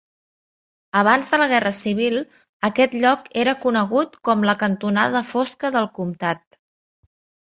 Abans de la guerra civil, aquest lloc era conegut com la cantonada fosca del comtat.